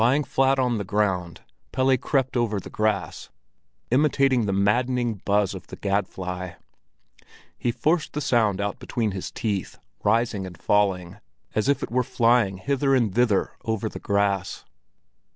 _ Lying flat on the ground, Pelle crept over the grass, imitating the maddening buzz of the gad fly. He forced the sound out between his teeth, rising and falling, as if it were flying hither and thither over the grass.